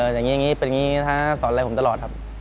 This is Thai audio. อย่างนี้เป็นอย่างนี้สอนอะไรผมตลอดครับ